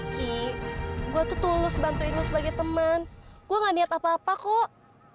ki gue tuh tulus bantuinmu sebagai teman gue gak niat apa apa kok